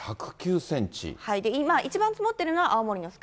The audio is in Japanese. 今、一番積もっているのは青森の酸ケ